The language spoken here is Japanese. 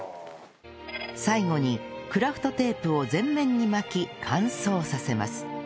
最後にクラフトテープを全面に巻き乾燥させます